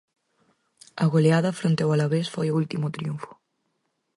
A goleada fronte ao Alavés foi o último triunfo.